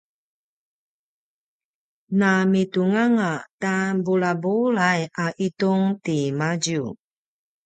na mitung anga ta bulabulai a itung timadju